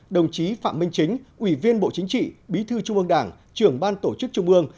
đồng chí phạm minh chính ủy viên bộ chính trị bí thư trung ương đảng trưởng ban tổ chức trung ương